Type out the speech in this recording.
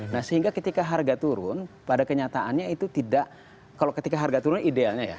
nah sehingga ketika harga turun pada kenyataannya itu tidak kalau ketika harga turun idealnya ya